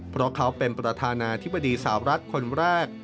เพราะเขาเป็นประธานาธิบดีสาวรัฐคนแรก